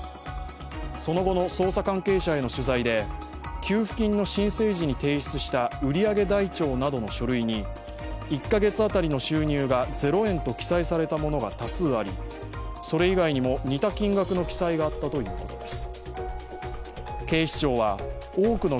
その後の捜査関係者への取材で給付金の申請時に提出した売り上げ台帳などの書類に１カ月当たりの収入が０円と記載されたものが多数あり、それ以外にも似た金額の記載が多数あったということです。